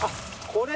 これ。